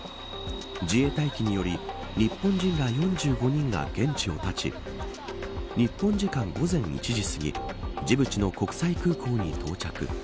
自衛隊機により日本人ら４５人が現地をたち日本時間午前１時すぎジブチの国際空港に到着。